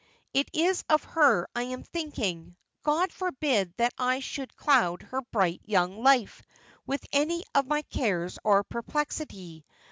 It is of her I am thinking. God forbid that I should cloud her bright young life with any of my cares or perplexity.